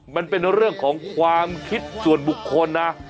มันเป็นเรื่องของความคิดส่วนบุคคลนะ